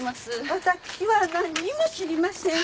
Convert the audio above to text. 私は何にも知りません。